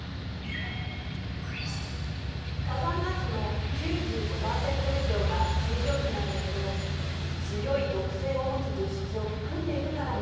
火山ガスの９５％以上が水蒸気なんだけど強い毒性を持つ物質を含んでいるから問題なのよ。